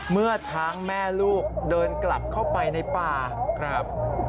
เมื่อช้างแม่ลูกเดินกลับเข้าไปในป่าครับ